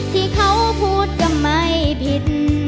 ที่เขาพูดก็ไม่ผิด